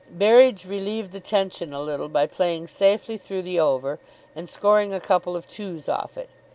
Berridge relieved the tension a little by playing safely through the over, and scoring a couple of twos off it.